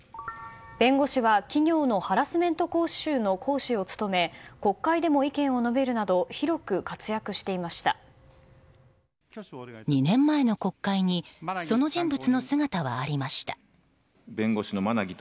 弁護士は企業のハラスメント講習の講師を務めていて国会でも意見を述べるなど２年前の国会にその人物の姿はありました。